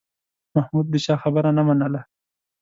محمود د چا خبره نه منله